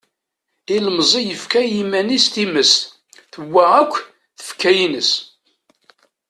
Ilemẓi yefka i yiman-is times, tewwa akk tfekka-ines.